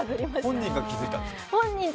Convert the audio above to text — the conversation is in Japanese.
本人が気付いたんですか？